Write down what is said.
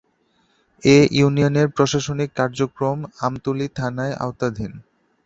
এ ইউনিয়নের প্রশাসনিক কার্যক্রম আমতলী থানার আওতাধীন।